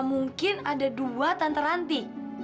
apa mungkin ada dua tante ranti